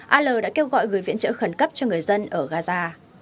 al đã kêu gọi gửi viện trợ khẩn cấp cho người dân ở gaza